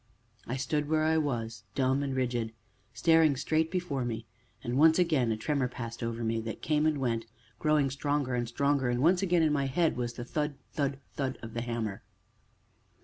I stood where I was, dumb and rigid, staring straight before me, and once again a tremor passed over me, that came and went, growing stronger and stronger, and, once again, in my head was the thud, thud, thud of the hammer.